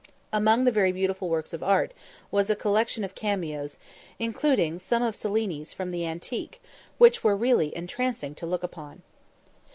Among the very beautiful works of art was a collection of cameos, including some of Cellini's from the antique, which were really entrancing to look upon.